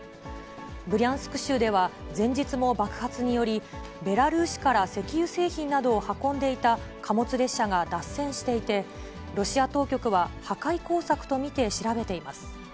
ブリャンスク州では前日も爆発により、ベラルーシから石油製品などを運んでいた貨物列車が脱線していて、ロシア当局は破壊工作と見て調べています。